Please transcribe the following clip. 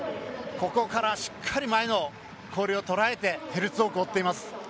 ここからしっかり前の氷をとらえてヘルツォークを追っています。